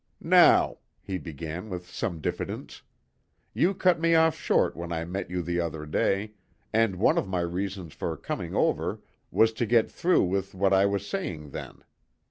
"Now," he began with some diffidence, "you cut me off short when I met you the other day, and one of my reasons for coming over was to get through with what I was saying then.